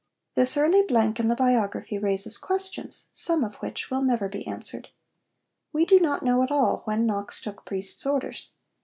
This early blank in the biography raises questions, some of which will never be answered. We do not know at all when Knox took priest's orders.